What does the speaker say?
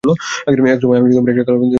এক সময় আমি একটা কালো বিন্দুতে মনঃসংযম করতাম।